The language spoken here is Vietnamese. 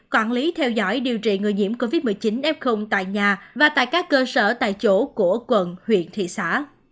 quản lý theo dõi điều trị người nhiễm covid một mươi chín f tại nhà và tại các cơ sở tại chỗ của quận huyện thị xã